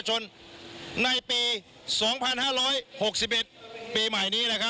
ชูเว็ดตีแสดหน้า